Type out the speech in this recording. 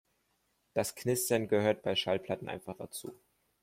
Das Knistern gehört bei Schallplatten einfach dazu.